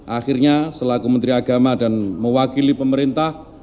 akhirnya selaku menteri agama dan mewakili pemerintah